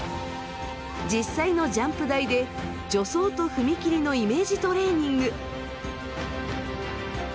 実際のジャンプ台で助走と踏み切りのイメージトレーニング。